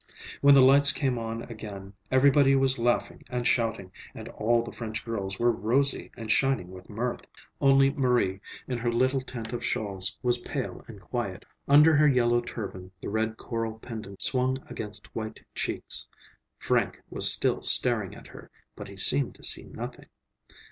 When the lights came on again, everybody was laughing and shouting, and all the French girls were rosy and shining with mirth. Only Marie, in her little tent of shawls, was pale and quiet. Under her yellow turban the red coral pendants swung against white cheeks. Frank was still staring at her, but he seemed to see nothing.